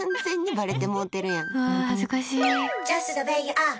恥ずかしい。